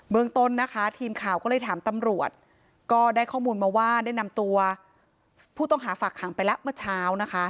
เมืองต้นนะคะทีมข่าวก็เลยถามตำรวจก็ได้ข้อมูลมาว่าได้นำตัวผู้ต้องหาฝากขังไปแล้วเมื่อเช้านะคะ